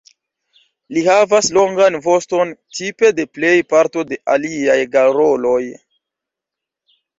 Ili havas longan voston tipe de plej parto de aliaj garoloj.